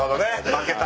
負けた。